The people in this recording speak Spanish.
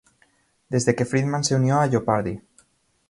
Desde que Friedman se unió a "Jeopardy!